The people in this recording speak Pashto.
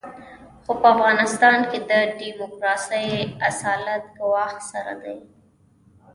خو په افغانستان کې د ډیموکراسۍ اصالت ګواښ سره مخ دی.